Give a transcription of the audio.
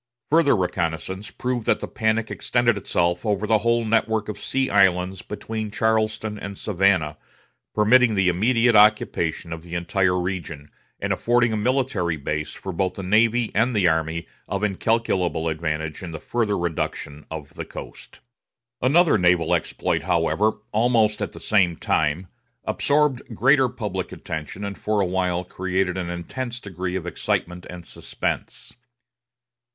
Further reconnaissance proved that the panic extended itself over the whole network of sea islands between Charleston and Savannah, permitting the immediate occupation of the entire region, and affording a military base for both the navy and the army of incalculable advantage in the further reduction of the coast. Another naval exploit, however, almost at the same time, absorbed greater public attention, and for a while created an intense degree of excitement and suspense.